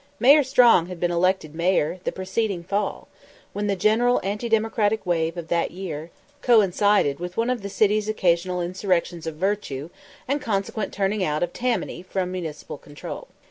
Mayor Strong had been elected Mayor the preceding fall, when the general anti Democratic wave of that year coincided with one of the city's occasional insurrections of virtue and consequent turning out of Tammany from municipal control.